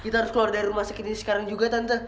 kita harus keluar dari rumah sakit ini sekarang juga tante